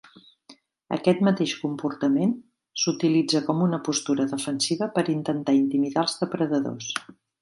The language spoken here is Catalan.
Aquest mateix comportament s'utilitza com una postura defensiva per intentar intimidar els depredadors.